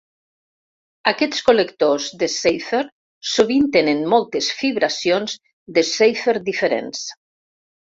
Aquests col·lectors de Seifert sovint tenen moltes fibracions de Seifert diferents.